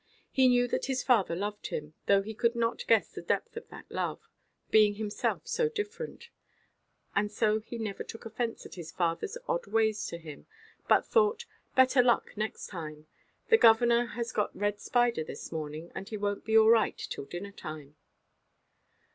He knew that his father loved him, though he could not guess the depth of that love, being himself so different. And so he never took offence at his fatherʼs odd ways to him, but thought, "Better luck next time; the governor has got red spider this morning, and he wonʼt be right till dinner–time."